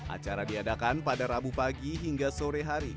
acara diadakan pada rabu pagi hingga sore hari